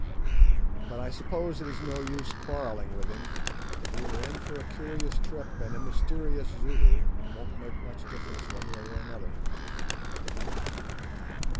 But I suppose it is no use quarrelling with him. We are in for a curious trip, and a mysterious Zulu won't make much difference one way or another."